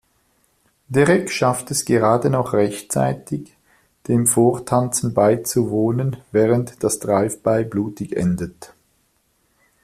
Derek schafft es gerade noch rechtzeitig, dem Vortanzen beizuwohnen, während das Drive-By blutig endet.